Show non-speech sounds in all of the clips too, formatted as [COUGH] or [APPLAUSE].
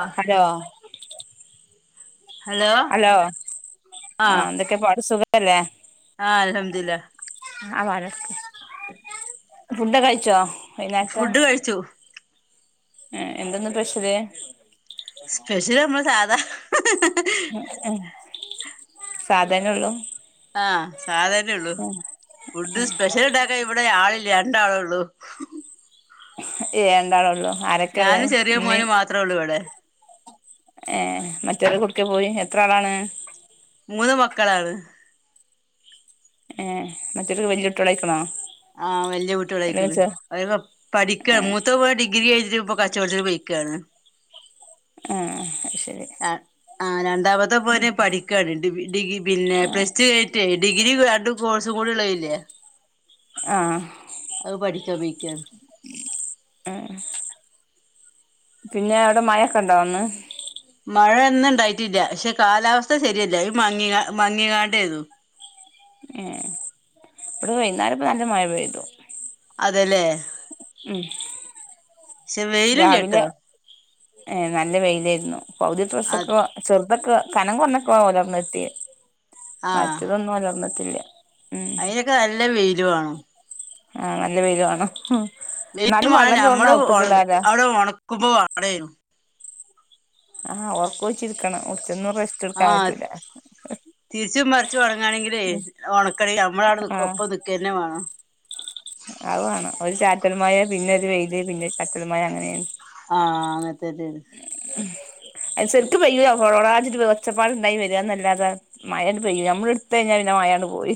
ആഹ് hello hello ആഹ് എന്തെക്കെ പാട് സുഖല്ലേ? ആഹ് അൽഹംദുല്ലാ ആഹ് വര ഫുഡൊക്കെ കഴിച്ചോ? വൈന്നേരത്തെ ഫുഡ് കഴിച്ചു ഏഹ് എന്താ ഇന്ന് സ്പെഷ്യല്? സ്പെഷ്യല് നമ്മളെ സാധാ ഉം സാധരണെ ഒള്ളൂ ആഹ് സാധരണെ ഒള്ളു ഫുഡ് സ്പെഷ്യല് ഇണ്ടാക്ക ഇവടെ ആളില്ല രണ്ടാളോള്ളു ഏഹ് രണ്ടാളെ ഒള്ളു ആരൊക്കെള്ള് ഇമ്മിം ത്രേള്ളു ഇവടെ ഏഹ് മറ്റൊലെക്കെ എവ്ട്ക്കെ പോയി എത്ര ആളാണ്? മൂന്ന് മക്കളാണ് ഏഹ് മറ്റൊലൊക്കെ വെല്യ കുട്ട്യാളയ്ക്ക്ണോ? ആഹ് വെല്യ കുട്ട്യാളയ്ക്ക്ണ് പഠിക്കാ ഏ മൂത്തോംപ്പം ഡിഗ്രി കയിഞ് ഇപ്പൊ കച്ചോട്ത്തിന് പൊയ്ക്കാണ് ഏഹ് അത് ശെരി ആഹ് ആഹ് രണ്ടാമത്തെ മോന് പഠിക്കാണ് ഡി ഡിബി പിന്നെ പ്ലസ്ടു കയ്ഞ്ട്ടെ ഡിഗ്രി രണ്ടും കോഴ്സും കൂടെ ഇള്ളത്ല്ലേ ആഹ് അത് പഠിക്കാൻ പൊയ്ക്കാണ് ഏഹ് പിന്നെ അവടെ മഴക്കെ ഇണ്ടോ ഇന്ന്? മഴ ഇന്ന് ഇണ്ടായിട്ടില്ല പക്ഷെ കാലാവസ്ഥ ശെരിയല്ല ഈ മങ്ങി മങ്ങിങ്ങാണ്ടെന്നു ഏഹ് ഇവടെ വൈന്നാരം ഇപ്പ നല്ല മഴ പെയ്തു അതെല്ലേ ഉം പക്ഷെ വെയില് ഇല്ലട്ടോ രാവിലെ ഏഹ് നല്ല വെയിലായിരുന്നു പൗതി അത് ഡ്രസ്സൊക്കെ ചെർതൊക്കെ കനം കൊർഞതോക്കെ ഒലർന്നിട്ടി മറ്റതൊന്നും ഒലർന്നിട്ടില്ല ഉം അയ്നൊക്കെ നല്ല വെയില് വാണം ആഹ് നല്ല വെയില് വാണം നീ വാ നമ്മള് അവിടെ ഉണക്കുമ്പൊ വാടേ ആഹ് ഒറക്കൊഴിച്ചിരിക്കണം കൊ റച്ചൊന്നും റെസ്റ്റ് എടുക്കാൻ ആഹ് പറ്റൂല തിരിച്ചും മറിച്ച് ഒണങ്ങാണെങ്കിലേ ഉണക്കണെ നമ്മളവ്ടെ ആഹ് ഒപ്പം നിക്കന്നെ വേണം അത് വേണം ഒരു ചാറ്റൽ മഴ പിന്നെ ഒരു വെയില് പിന്നെ ചാറ്റൽമഴ അങ്ങനേണ് ആഹ് അങ്ങനത്തന്നേണ് അത് ശെരിക്ക് പെയ്യൂല കൊള കൊളാച്ചിട്ട് ഒച്ചപ്പാടുണ്ടായി വരികന്നല്ലാത മഴങ്ങട്ട് പെയ്യൂല നമ്മളെടുത്ത ഴിഞ്ഞാ പിന്നെ മഴാണ്ട് പോയി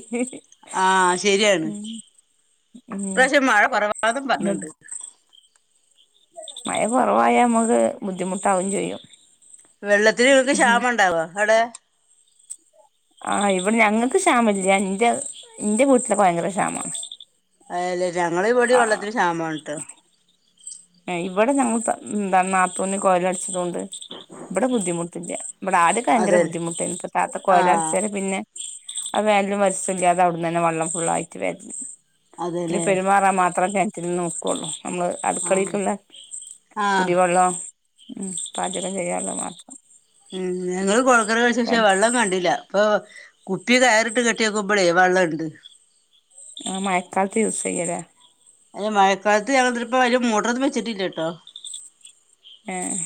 ആഹ് ശെരിയാണ് ഉം ഇപ്രാവശ്യം മഴ കൊറവാതും പറഞ്ഞിണ്ട് മഴ കൊറവായ അമുക്ക് ബുദ്ധിമുട്ടാവയും ചെയ്യും വെള്ളത്തിന് ഇങ്ങക്ക് ഉം ക്ഷാമണ്ടാവൊ അവിടെ ആഹ് ഇവ് ഞങ്ങക്ക് ക്ഷാമല്ല ന്റ ന്റ വീട്ടിലൊക്കെ ഭയങ്കര ക്ഷാമാ അല്ല ഞങ്ങളിവിടെ വെള്ളത്തിന് ക്ഷാമാണ് ട്ടൊ ഇവിടെ ഞങ്ങൾ ന്താണ് നാത്തൂന് കോഴിവേടിച്ചത് കൊണ്ട് ഇവിടെ ബുദ്ധിമുട്ടില്ല ഇവിടെ ആദ്യക്കെ ഭയങ്കര അതെ ബുദ്ധിമുട്ടായിന് ഇപ്പാത്ത ആഹ് കോഴലടച്ചതി പിന്നെ അത് വലും രസല്ലാതെ അവിടന്ന വെള്ളം ഫുള്ളായിറ്റ് വരും പിന്നെ അതെല്ലേ പെരുമാറാൻ മാത്രേല്ലെ തിരിഞ്ഞു നോക്കോള്ളൂ നമ്മള് അടുക്കളയില് ആഹ് ആഹ് കുടിവെള്ളം ഉം പാചകം ചെയ്യാള്ളൊ മാത്രം ഉം ഞങ്ങള് കൊഴൽക്കെണറഴിച്ച് പക്ഷെ വെള്ളം കണ്ടില്ല അപ്പൊ കുപ്പി കയറിട്ട് കെട്ടിയോക്കുമ്പൊഴെ വെള്ളണ്ട് ആഹ് മഴക്കാലത്ത് യൂസെയ്യോല്ലെ അല്ല മഴക്കാലത്ത് ഞങ്ങലിതിലിപ്പ വലിയ മോട്ടറൊന്നും വെച്ചിട്ടില്ല കേട്ടൊ ഏഹ്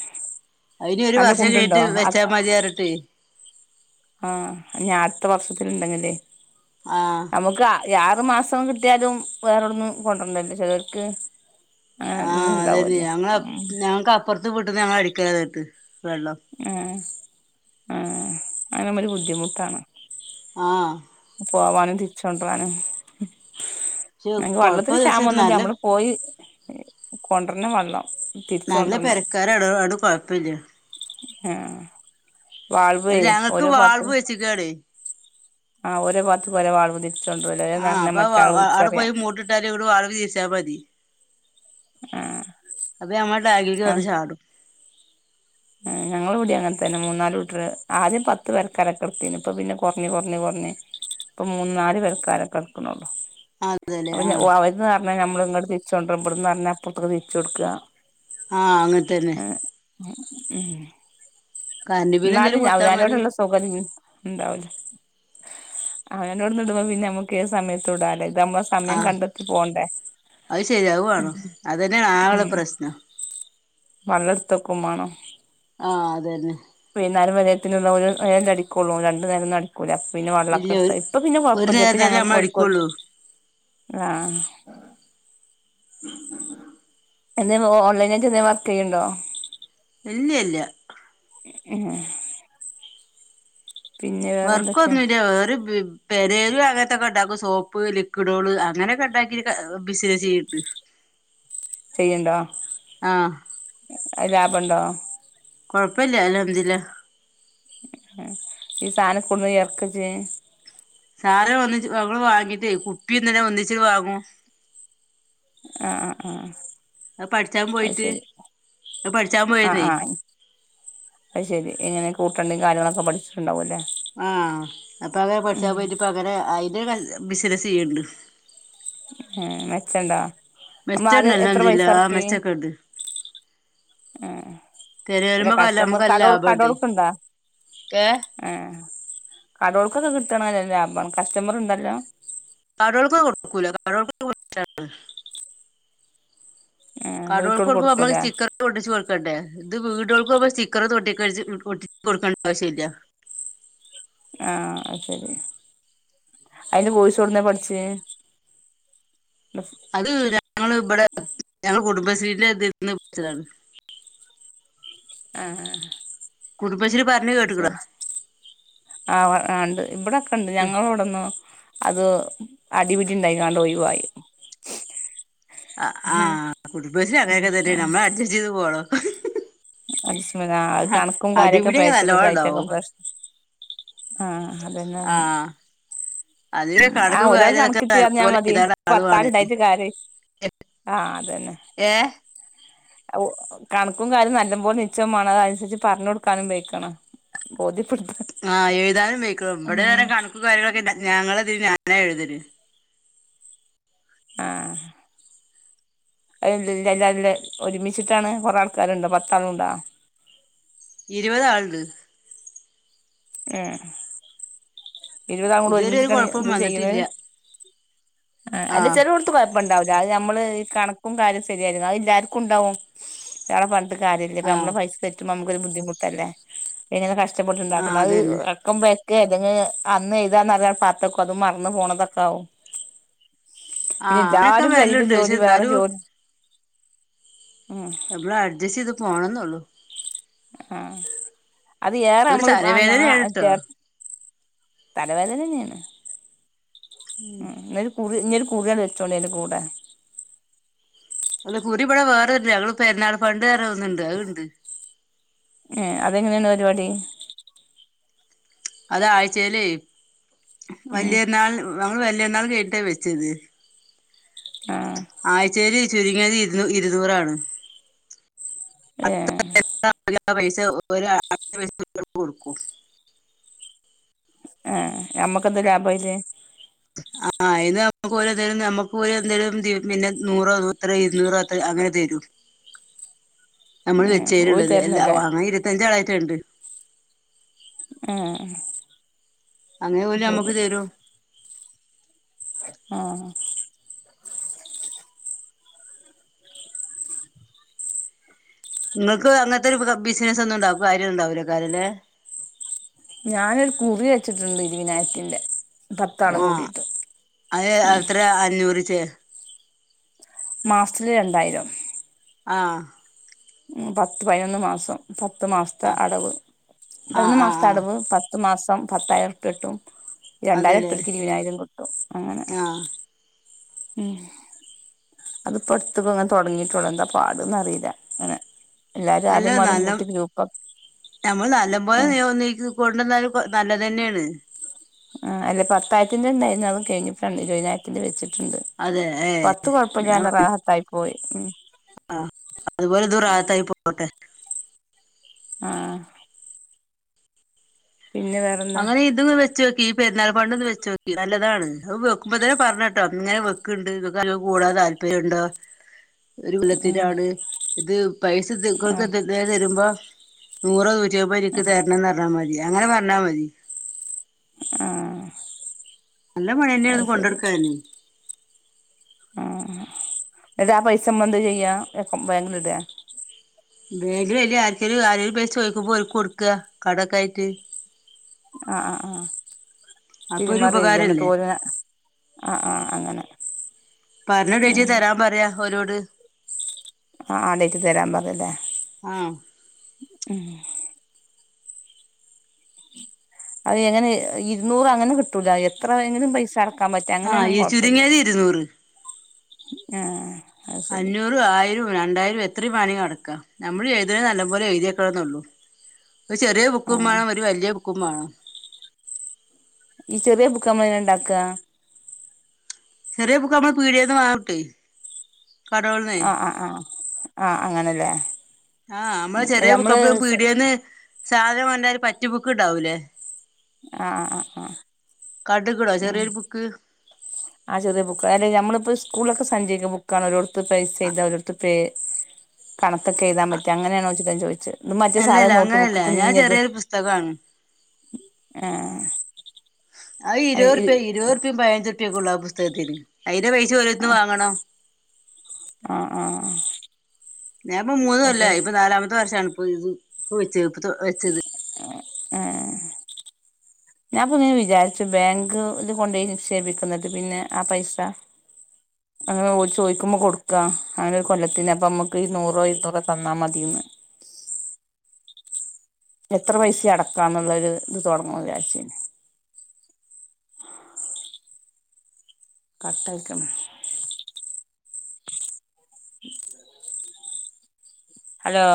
അയിന് ഒരു നല്ല വർഷം കുണ്ടുണ്ടോ കഴിഞ്ഞിട്ട് വെച്ചാൽ മതിയാറഞ്ഞിട്ട് ആഹ് ഞ്ഞി അടുത്ത വർഷത്തിൽ ഉണ്ടെന്നല്ലെ ആഹ് നമുക്ക് യാറ് മാസം കിട്ടിയാലും വേറെവ്ടന്നും കൊണ്ടരണ്ടല്ലൊ ചെലർക്ക് - ആഹ് അതന്നെ ഞങ്ങ ഉം ഞങ്ങക്ക് അപ്പുറത്ത് വീട്ട്ന്ന് ഞങ്ങട്ക്കല നേരിട്ട് വെള്ളം ആഹ് ആഹ് ആഹ് അതാവുമ്പൊര് ബുദ്ധിമുട്ടാണ് ആഹ് പോവാനും തിരിച്ചോണ്ടോവാനും ഞ പക്ഷെ ങ്ങക്ക് വെള്ളത്തിന് കൊഴപ്പന്ന് വെച്ചാ ക്ഷാമം ഒന്നൂല്ല നല്ല നമ്മള് പോയി കൊണ്ടരണം വെള്ളം തിരിച്ച് നല്ല കൊണ്ടരണം പെരക്കാരാടൊ അത് കൊഴപ്പില്ല ആഹ് വാൾവേ അല്ല ഞങ്ങക്ക് ഓരോ ഭാഗത്തു വാൾവ് വെച്ച്ക്കാണേ - ആഹ് ഓരോ ഭാഗത്ത്‌ ഒരേ വാൾവ് തിരിച്ചോണ്ടര്വാ എന്ന് പറഞ്ഞാ മറ്റാൾ വിളിച്ചറയ ഇവിടെ വളവ് തീരിച്ചാൽ മതി ആഹ് അപ്പ ഞമ്മടാഗിലേക്ക് വന്ന് ചാടും ഞങ്ങളിവിടേം അങ്ങനെ തന്ന മൂന്നാല് വീട്ടാർ ആദ്യം പത്ത് പെര ക്കാരൊക്കെട്ത്തീനു ഇപ്പൊ പിന്നെ കൊറഞ്ഞ് കൊറഞ്ഞ് കൊറഞ്ഞ് ഇപ്പം മൂന്ന് നാല് പെരക്കാരൊക്കെട്ക്കുണുള്ളു അതെല്ലേ ആഹ് അപ്പൊ അവര്ന്ന് പറഞ്ഞാ നമ്മൾ ഇങ്ങട്ട് തിരിച്ചൊണ്ടരും ഇവ്ടന്ന് പറഞ്ഞാ അപ്പുറത്തേക്ക് തിരിച്ചൊ ടുക്കാ ആഹ് അങ്ങനെത്തന്നെ ഉം കറണ്ട് ബില്ല് എന്തേലും ന്നാലും ഞ കൊടുത്താ മതി ഞാനോടുള്ള സൗകര്യം ണ്ടാവൂല ആഹ് അങ്ങനൊവ്ടന്ന് ഇടുമ്പൊ പിന്നെ നമുക്ക്ഏതു സമയത്തും ഇടാല്ലെ ഇതമ്മ സമയം ആഹ് കണ്ടെത്തി പോണ്ടെ അത് ശരിയാ അത് ഉം വാണം അതന്നെയാണ് ആകെള്ള ഉം പ്രശ്നം വളർത്തക്കും മാണം ആഹ് അതന്നെ വൈന്നേരം വരേത്തിനുള്ള ഒരു നേരം അടിക്കൊള്ളൂ രണ്ടു നേരോന്നു അടി കൂല ഇല്ല ഒരു പിന്നെവെള്ളൊക്കെടുത്താതി ഇപ്പൊ പിന്നെ ഒരു കൊഴപ്പല്ല ഇപ്പ നേരത്തിനല്ലേ ഞങ്ങൾക്കും നമ്മള് ഓൽക്കും ഒര് അടിക്കൊള്ളൂ ആഹ് - എന്തേ ഓൺലൈനായിയിട്ട് എന്തേ വർക്ക് യ്യ്ണ്ടോ ഇല്ല ഇല്ല ആഹ് വർക്ക് ഒന്നുല്ല [UNINTELLIGIBLE] പേരേല് അങ്ങനത്തൊക്കെ ഇണ്ടാക്കും സോപ്പ് ലിക്വിഡോള് അങ്ങനെയൊക്കെ ഇണ്ടാക്കി ബിസിനസ് ചെയ്ണ്ട് ചെയ്യ്ണ്ടോ ആഹ് അത്‌ ലാഭണ്ടോ കുഴപ്പമില്ല അൽഹംദുരില്ല ഈ സാധനക്കൊട്ന്ന എറക്ക ഇജ്ജ് സാധന ഒന്നിച്ച് ഞമ്മള് വാങ്ങ്യാതേ കുപ്പിങ്ങനെ ഒന്നിച്ച് വാങ്ങും ആഹ് ആ ആഹ് പഠിച്ചാൻ പോയിട്ട് അത് പഠിച്ചാൻ ആ പോയതേ ആ അത് ശെരി എങ്ങനെ കൂട്ടണ്ടേ കാര്യങ്ങളൊക്കെ പഠിച്ചിട്ടുണ്ടാവുല്ലേ ആഹ് അപ്പൊ അങ്ങനെ പഠിച്ചാ പോയിട്ട് ഇപ്പ അങ്ങനെ അയിന്റെഒരു ബിസിനസ്സ് ചെയ്യ്ണ്ട് ഏഹ് മെച്ചണ്ടോ അമ്മൾ മെച്ചണ്ട് ആദ്യം എത്ര പൈസ അൽഹംദുലില്ലാഹ് ആഹ് എറക്കി മെച്ചൊക്കെണ്ട് ഏഹ് അവടെ പെരേലുമ്മക്കല്ല കസ്റ്റമർ നമ്മക്കല്ല കടേക്ക് ലാഭണ്ട് കൊടക്കുണ്ടോ ഏഹ് ആഹ് കടോൾക്കൊക്കെ കിട്ടണംല്ല ലാഭാ കസ്റ്റമർ ഉണ്ടോ നല്ലോം കാടോൾക്കൊക്കെ കൊടുക്കൂല കാടൊൾ [UNINTELLIGIBLE] ആ വീട്ടോൾ കടോൾക്കടുക്കുമ്പനമ്മൾ കൊടുക്കൂലേ സ്റ്റിക്കർ ഒട്ടിച്ച് കൊടുക്കണ്ടേ ഇത് വീടുകൾക്കുമ്പ സ്റ്റിക്കറ് ഒട്ടിക്ക കൊടുക്കേണ്ട ആവശ്യല്ല ആആഹ് ശരി അയിന്റെ കോയിസ് ഒട്ന്ന പഠിച്ചേ അത് ഞങ്ങള് ഇവിടെ ഞങ്ങള് കുടുംബശ്രീന്റെതിന്ന് പടിച്ചതാണ് ആഹ് കുടുംബശ്രീ പറഞ്ഞത്കേട്ട്ക്ക്ണോ ആഹ് ആണ്ട് ഇവിടെക്കെ ഉണ്ട് ഞങ്ങളെ ഇവിടന്ന് അത് അടിപിടിണ്ടായി ഒഴിവായി ആ ആഹ് കുടുംബശ്രീ അങ്ങനെയൊക്കെ തന്നെയാണ് നമ്മള അഡ്ജസ്റ്റ് ചെയ്ത് പോണോ അത് കണക്കും കാര്യൊക്കെ അടിപിടിയൊക്കെ നല്ലോണം ഉണ്ടാവും പേയച്ചിക്കു [UNINTELLIGIBLE] ആഹ് അതന്നെറ്ഞ്ഞെ ആഹ് അതിന് കണക്ക് ആഹ് ഒരാൾ കാര്യതൊക്കെ കണക്കിച്ചയ്യാഞാ നല്ലപോലെ മതി എഴുതാൻ ആളുവാണ് പത്താൾ ഇണ്ടായിട്ട് കര്യ ആഹ്അതന്നെ ഏ ഓകണക്കും കാര്യം നല്ല പോല നിച്ചമാണ്ണം അത് അന്സരിച്ച് പറഞ് കൊടുക്കാനും വയ്ക്കണം ബോദ്യപെട്ത്ത ആഹ് എഴുതാനും വൈക്കണം ഇവിടെ കണക്കും കാര്യങ്ങളൊക്കെ ഞങ്ങളതി ഞാനാഎഴുതല് ആഹ് [UNINTELLIGIBLE] ഒരുമിച്ചിട്ടാണ് കൊറേ ആൾക്കാരുണ്ടോ പത്താളുണ്ടോ ഇരുപതാളുണ്ട് ഏഹ് ഇരുപതാളു കൂടി ഇതുവരെ ഒരു ഒരുമിച്ചിട്ടാണ് കുഴപ്പം ഇത് ചെയ്ണേ വന്നിട്ടില്ല ആഹ് അല്ല ചെലട്ത്ത് കുഴപ്പണ്ടാവൂല്ല അത് നമ്മള് കണക്കും കാര്യം ശരിയായിരുന്നു അത് എല്ലാർക്കും ഉണ്ടാവും ഇയാളെ പറഞ്ഞിട്ട്കാര്യല്ല ഇപ്പൊ ആഹ് നമ്മള് പൈസ തറ്റുമ്പോ നമുക്കൊരു ബുദ്ധിമുട്ടല്ലേ എങ്ങനെ ആഹ് കഷ്ടപ്പെട്ടുണ്ടാക്കുന്നതാ അത് അതന്നെ ക്കും വെക്ക അല്ലെഞ്ഞേ അന്ന് എഴതാറഞ്ഞാണ്ട് പാത്തക്കുംഅതുംമറന്ന് പോണതൊക്കാകും പിന്നെ ആഹ് അങ്ങനൊക്കെ എല്ലാരും പേരേത്ത വരലുണ്ട് ജോദി പക്ഷെ വേറെ എന്നാലും ജോദി ഉം നമ്മളെ അഡ്ജസ്റ്റ് ചെയ്ത് പോണംന്നള്ളു ആഹ് അത് ഏറെ ഒരു നമ്മള് ആ ഞാ തലവേദനയാണ് ട്ടോ കെ തല വേദനെന്നേണ് ന്നലും കുറി ഇഞ്ഞൊരു കുറിയാണ്ട് വെച്ചോളി അയ്ന്റെ കൂടെ അല്ലകുറി ഇവടേ വേറെണ്ട് ഞങ്ങള് പെരുന്നാൾ ഫണ്ട് പർഞ ഒന്ന് ഇണ്ട് അത് ഇണ്ട് ഏ അതെങ്ങനെണ് പരിപാടി അത് ആഴ്ചെലെ ഉം വല്ല്യര്ന്നാൾ നമ്മള് വല്ല്യര്ന്നാള് കഴിഞ്ഞിട്ട വെച്ചത് ആ ആയ്‌ചെല് ചുരുങ്ങിയത് ഇരുന്ന് ഇരുന്നൂറാണ് ഏഹ് [UNINTELLIGIBLE] ഏ ഞമ്മക്കെന്താ ലാഭ അയില് ആഹ് അയ്ന്ന് നമുക്ക് ഓലെ എന്തേലും ഞമ്മക്ക് ഓലെന്തേലും പിന്നെ നൂറോ എത്രെ ഇര്ന്നൂറോ അങ്ങനെ തെരും [INAUDIBLE] നമ്മള് ഏഹ് ഓര് വെച്ചേന്ള്ളത് അല്ല തരുന്നല്ലേ അങ്ങനെ ഇരുവത്തഞ്ചാളായിട്ട് ഇണ്ട് ഉം അങ്ങനെ ഓല് ഞമ്മക്ക് തരും ആഹ് ഇങ്ങക്ക് അങ്ങൻത്തെ ഒരു ബിസ്നസ് ഒന്നും ഇണ്ടാ കാര്യം ഇണ്ടാവുലെകാര ലെ ഞാനൊരു കുറി വെച്ചിട്ടുണ്ട് ഇരുവയ്‌നായിരത്തിന്റെ ആഹ് അത് എത്രെ അഞ്ഞൂറീച്ചേ മാസ്ത്തില് രണ്ടായിരം ആഹ് പത്ത് പയിനൊന്ന് മാസം പത്തു മാസ്ത്തെ ആ അടവ് ആ പതിനൊന്ന് ആ മാസ്ത്തെ ആ അടവ് പ ത്ത് മാസം പത്തായിര ഉർപ്യട്ടും രണ്ടായിര അതെല്ലേ ഇട്ടോൽക്ക് ഇരുവയ്‌നായിരം കിട്ടും അങ്ങനെ ആ ഉം അത് ഇപ്പ അട്ത്ത് ഇപ്പ ഇങ്ങനെ തോട്ങ്ങിട്ടോള്ളൂ എന്താ പാട്ന്ന് അറീല ഇങ്ങനെ അല്ല നല്ലം നമ്മള് നല്ലംപോലെ ആഹ് നിയന്ത്രിക്കും കൊണ്ടന്നാല് പ്പൊ നല്ലതന്നെണ് ആഹ് അല്ല പത്തായിര്ത്തിന്റെ ഇണ്ടായിര്ന്നു അത് കഴിഞ് ഇപ്പം ഇരുവയ്‌നായിരത്തിന്റെ വെച്ചിട്ടുണ്ട് അതെ ഏ പത്ത് കൊഴപ്പല്ലാതെ റാഹത്തായി പോയി അതുപോലെ ഇതും റാഹത്തായി പോട്ടെ ആഹ് പിന്നെ വേറെ അങ്ങനെ ഇതോന്ന് വെച്ചോക്കി ഈ പെരുന്നാൾ ഫണ്ടൊന്ന് വെച്ചോക്കി നല്ലതാണ് അത് വെക്കുമ്പം തന്നെ പർണട്ടോ ഇങ്ങനെ വെ ക്ക്ണ്ട് ഇങ്ങക്ക് നല്ലോം കൂടാൻ താല്പര്യണ്ടോ [INAUDIBLE] ഒരു ആഹ് കൊല്ലത്തിനാണ് ഇത് പൈസ നിങ്ങൾക്ക് ആഹ് [UNINTELLIGIBLE] തരുമ്പോ നൂറോ നൂ റ്റമ്പതോ ഇൻക്ക് തരണംന്ന് പർഞ്ഞാ മതി അങ്ങനെ പർഞ്ഞാ മതി ആഹ് നല്ല പണ്യന്നേണ് അത് ശരി കൊണ്ടട്ക്കാന് ആഹ് ഇന്നട്ട് ആ പൈസ ഞമ്മളെന്താ ചെയ്യാ ബാങ്കിലിടേ ബാങ്കിലിടെ ആര്ക്കെലും ആരേലും പൈസ ചോയ്ക്കുമ്പം ഓൽക്ക് കൊട്ക്ക കടൊക്കായിട്ട് ആ ആ ആഹ് അപ്പൊ ഒരു തിരുമറി ചെയ്യാ ന്നട്ട് ഉപകാരല്ലേ ഓല് ആ ആ അങ്ങനെ പർഞ്ഞ ടൈറ്റില് തരാം പറയാ ഓലോട് ആഹ്! ആ ടെയ്റ്റിൽ തരാൻ പറയലേ. ആഹ്! ഉം അത് എങ്ങനെ ഇരുന്നൂറ് അങ്ങനെ കിട്ടൂല. എത്ര വേങ്കിലും പൈസ അട ക്കാം പറ്റാ. ആഹ് അങ്ങനേണങ്കി ഈ കുഴപ്പല്ല്യ. ചുരുങ്ങിയത് ഇരുന്നൂറ് ഏഹ് അഹ് ശരി. രണ്ടായിരും എത്രിം വേണങ്കി അടക്കാ. നമ്മള് ചെയ്തേ നല്ല പോലെ എഴുതിക്കണന്നൊള്ളൂ. ഒരു ചെറീ ബുക്കും ആഹ് മാണം. ഒരു വല്ല്യ ബുക്കും മാണം. ഈ ചെറീയ ബുക്ക് അമ്മളങ്ങനെണ്ടാക്കാ? ചെറീയ ബുക്ക് അമ്മളെ പീടിയേന്ന് വാങ്ങാം കിട്ടൊയ്. ആഹ്! ആഹ്! ആഹ്! ആഹ്! അങ്ങനെല്ലേ. ആഹ്! നമ്മള് ഉം ചെറീ ബുക്ക് നമ്മള് അമ്മള് പീടിയന്ന് സാധനം വാണ്ടാല് ഒരു പറ്റ് ബുക്ക് ഇണ്ടാവൂലേ ആഹ്! ആഹ്! ആഹ്! കാണ്ട്ക്ക് ണോ ചെറിയൊരു ബുക്ക്. ആഹ്! ചെറിയ ബുക്ക്. അതായത് നമ്മളിപ്പോ സ്കൂളിലൊക്കെ സഞ്ചയിക ബുക്കാണ് ഓരോടത്ത് പൈസ ചെയ്ത ഓരോടത്തത്ത് പേ കണക്കൊക്കെ എഴുതാൻ പറ്റ അങ്ങനെയണോ ചിട്ട ചോദിച്ച. അഹ്! മറ്റേ സാധ അല്ലല്ല നോട്ട് ബുക്ക് അങ്ങനെയല്ല ഞാൻ കുഞ് ത്. ചെറിയൊരു പുസ്തകാണ് ആഹ്! അഹ്! ഇരുപ റുപ്യ ആഹ് ഇരുപത്റുപ്യയും പതിനഞ്ച്റുപ്യക്കൊള്ള ആഹ് പുസ്തകത്തിന്. അതിന്റെ പൈസ ഓരട്ത്ന്ന് വാങ്ങണം. ആഹ്! ആഹ്! ആഹ്! ഞാപ്പ മൂന്നു കൊല്ലായി. പ്പൊ നാലാമത്തെ വർഷാണ് പ്പ ഇത് വെച്ചത് ഇ വെച്ചത്. എഹ്! ഏഹ്! ഞാൻപ്പൊ ഇങ്ങനെ വിചാരിച്ചു. ബാങ്ക് ഇത് കൊണ്ടൊയി നിക്ഷേപിക്കുന്നത് പിന്നെ ആഹ് പൈസ [INAUDIBLE] അങ്ങനെ ഓല് ചോദിക്കുമ്പോ കൊടുക്കാ. അങ്ങനെ കൊല്ലത്തിന് അപ്പം മക്ക് ഈ നൂറോ ഇരുന്നൂറോ തന്നാ മതിന്ന്. എത്ര പൈസിം അടക്കാം എന്നുള്ളൊരു ഇത് തുടങ്ങു വിചാരിച്ണ്. കട്ടയക്കണം. ഹലോ.